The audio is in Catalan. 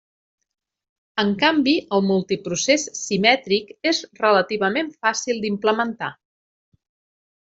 En canvi el multiprocés simètric és relativament fàcil d'implementar.